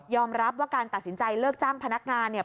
รับว่าการตัดสินใจเลิกจ้างพนักงานเนี่ย